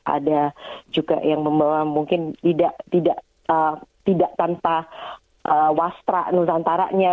ada juga yang mungkin tidak tanpa waspang santaranya